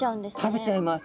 食べちゃいます。